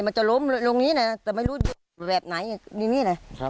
มันจะล้มลงนี้น่ะแต่ไม่รู้แบบไหนนี่นี่น่ะครับ